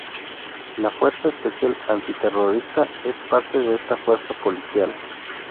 La Fuerza Especial Antiterrorista es parte de esta fuerza policial.